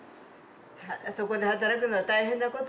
そこで働くのは大変なことね。